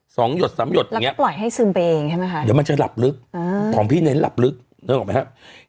หยดสามหยดอย่างเงี้ปล่อยให้ซึมไปเองใช่ไหมคะเดี๋ยวมันจะหลับลึกอ่าของพี่เน้นหลับลึกนึกออกไหมครับ